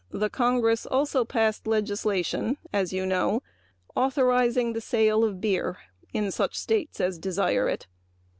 The Congress also passed legislation authorizing the sale of beer in such states as desired it.